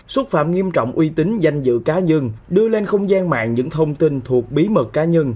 xúc phạm nghiêm trọng uy tín danh dự cá nhân đưa lên không gian mạng những thông tin thuộc bí mật cá nhân